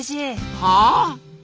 はあ？